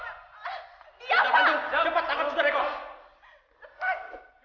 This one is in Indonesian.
jangan pandu cepat tangan sudah dekor